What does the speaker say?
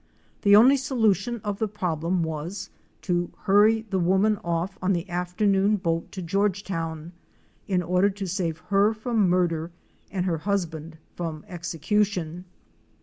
The only solu tion ef the problem was to hurry the woman off on the after noon boat to Georgetown, in order to save her from murder and her husband from execution.